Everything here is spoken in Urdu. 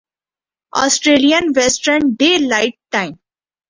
Australian western daylight time